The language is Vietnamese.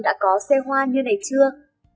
đã có xe hoa như này chưa